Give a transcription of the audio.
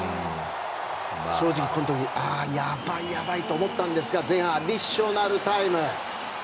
正直この時あー、やばい、やばいと思ったんですが前半アディショナルタイム。